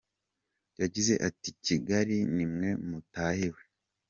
Yagize ati “Kigali ni mwe mutahiwe.